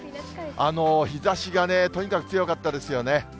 日ざしがね、とにかく強かったですよね。